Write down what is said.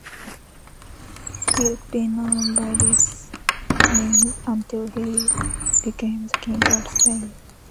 He would be known by this name until he became the king of Spain.